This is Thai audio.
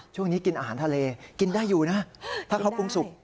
ช่วงนี้กินอาหารทะเลกินได้อยู่นะถ้าเขาปรุงสุก